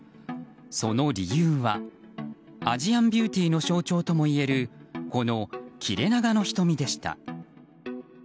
その理由はアジアンビューティーの象徴ともいえるこの切れ長の瞳でした。